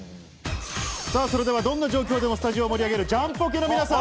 それでは、どんな状況でもスタジオを盛り上げるジャンポケの皆さん。